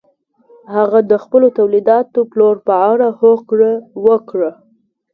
هغه د خپلو تولیداتو پلور په اړه هوکړه وکړه.